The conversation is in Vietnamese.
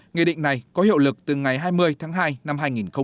nghị định này có hiệu lực từ ngày hai mươi tháng hai năm hai nghìn hai mươi